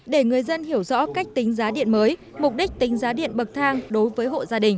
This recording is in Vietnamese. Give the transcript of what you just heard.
để người dân hiểu rõ cách tính giá điện mới mục đích tính giá điện bậc thang đối với hộ gia đình